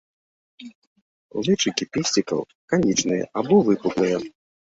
Лычыкі песцікаў канічныя або выпуклыя.